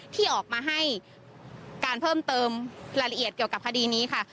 ที่ออกมาให้การเพิ่มเติมรายละเอียดเกี่ยวกับคดีนี้ค่ะ